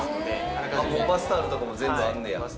あっもうバスタオルとかも全部あんねや。